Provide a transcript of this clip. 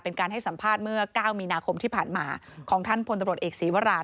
เป็นการให้สัมภาษณ์เมื่อ๙มีนาคมที่ผ่านมาของท่านพลตำรวจเอกศีวราช